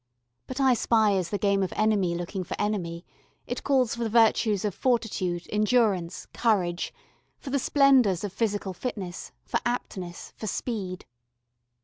But "I spy" is the game of enemy looking for enemy: it calls for the virtues of fortitude, endurance, courage for the splendours of physical fitness, for aptness, for speed.